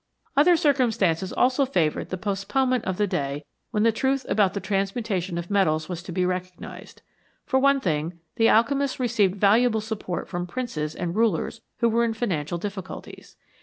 Other circumstances also favoured the postponement of the day when the truth about the transmutation of metals was to be recognised. For one thing, the alchemists received valuable support from princes and rulers who were in financial difficulties.